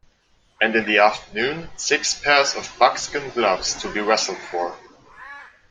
And in the afternoon six pairs of buckskin gloves to be wrestled for.